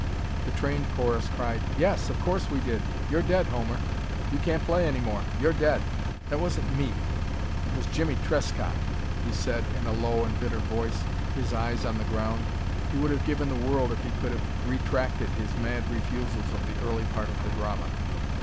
The trained chorus cried: "Yes, of course we did. You're dead, Homer. You can't play any more. You're dead." "That wasn't me. It was Jimmie Trescott," he said, in a low and bitter voice, his eyes on the ground. He would have given the world if he could have retracted his mad refusals of the early part of the drama.